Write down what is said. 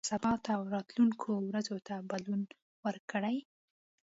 سبا ته او راتلونکو ورځو ته بدلون ورکړئ.